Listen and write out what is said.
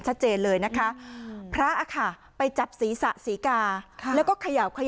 ชัดเจนเลยนะคะพระค่ะไปจับศีรษะศรีกาแล้วก็เขย่าเขยะ